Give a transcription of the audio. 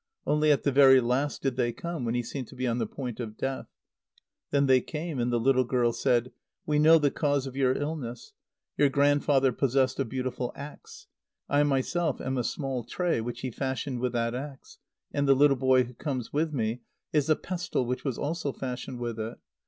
Only at the very last did they come, when he seemed to be on the point of death. Then they came, and the little girl said: "We know the cause of your illness. Your grandfather possessed a beautiful axe. I myself am a small tray which he fashioned with that axe, and the little boy who comes with me is a pestle which was also fashioned with it.